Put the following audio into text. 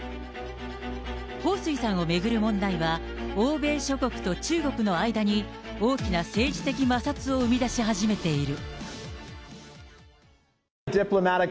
彭帥さんを巡る問題は、欧米諸国と中国の間に、大きな政治的摩擦を生み出し始めている。